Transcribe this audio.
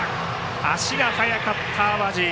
足が速かった淡路。